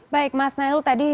baik mas nailu tadi